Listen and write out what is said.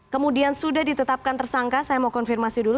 kemudian sudah ditetapkan tersangka saya mau konfirmasi dulu